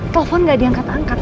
telepon gak diangkat angkat